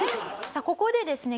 さあここでですね